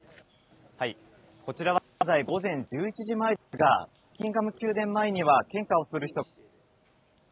中継です、こちらは現在、午前１１時前ですが、バッキンガム宮殿前には献花をする人の。